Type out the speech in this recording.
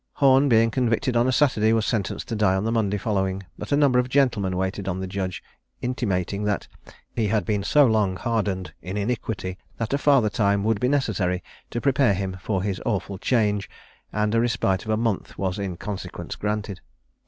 Horne being convicted on a Saturday, was sentenced to die on the Monday following; but a number of gentlemen waited on the judge, intimating that he had been so long hardened in iniquity, that a farther time would be necessary to prepare him for his awful change, and a respite of a month was in consequence granted.